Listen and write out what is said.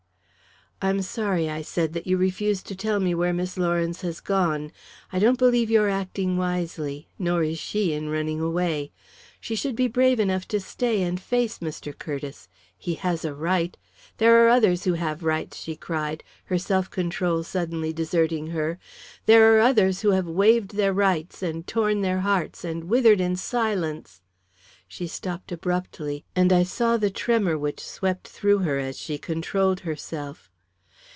"I'm sorry," I said, "that you refuse to tell me where Miss Lawrence has gone. I don't believe you're acting wisely nor is she in running away. She should be brave enough to stay and face Mr. Curtiss. He has a right " "There are others who have rights," she cried, her self control suddenly deserting her. "There are others who have waived their rights, and torn their hearts, and withered in silence " She stopped abruptly, and I saw the tremor which swept through her as she controlled herself.